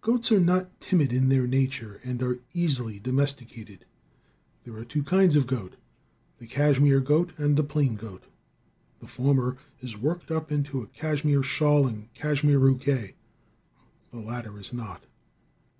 Goats are not timid in their nature and are easily domesticated. There are two kinds of goat the cashmere goat and the plain goat. The former is worked up into cashmere shawls and cashmere bouquet. The latter is not.